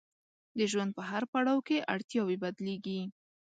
د ژوند په هر پړاو کې اړتیاوې بدلیږي.